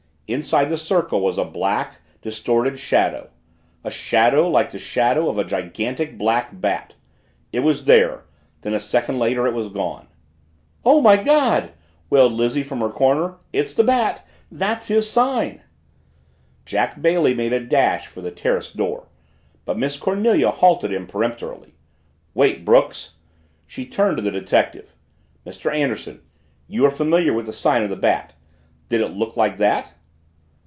Inside the circle was a black, distorted shadow a shadow like the shadow of a gigantic black Bat! It was there then a second later, it was gone! "Oh, my God!" wailed Lizzie from her corner. "It's the Bat that's his sign!" Jack Bailey made a dash for the terrace door. But Miss Cornelia halted him peremptorily. "Wait, Brooks!" She turned to the detective. "Mr. Anderson, you are familiar with the sign of the Bat. Did that look like it?"